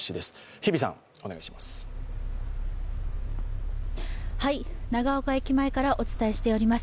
日比さん、お願いします。